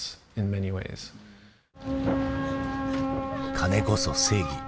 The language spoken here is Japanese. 金こそ正義。